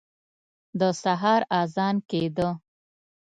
د سهار اذان کېده.